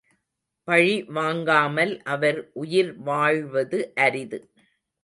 பழி வாங்காமல் அவர் உயிர் வாழ்வது அரிது.